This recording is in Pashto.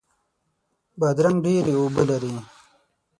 بادرنګ ډیرې اوبه لري.